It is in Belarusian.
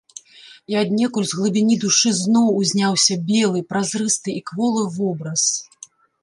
І аднекуль з глыбіні душы зноў узняўся белы, празрысты і кволы вобраз.